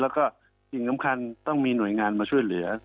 แล้วก็สิ่งสำคัญต้องมีหน่วยงานมาช่วยเหลือ